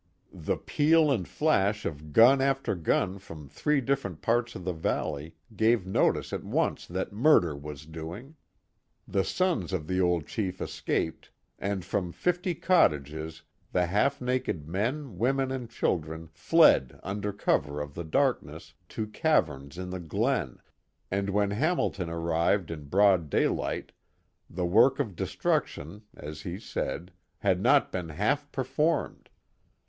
The peal and flash of gun after gun from three different parts of the valley gave notice at once that murder was doing. The sons of the old chief escaped, and from fifty cottages the half naked men, women, and children fled under cover of the darkness to caverns in the glen, and when Hamilton arrived in broad daylight the work of destruction, as he said, had not been half performed.